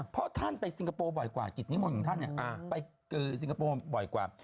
เพราะท่านไปซิงคโปร์บ่อยกว่ากิจนิมนต์ของท่านไปเจอสิงคโปร์บ่อยกว่า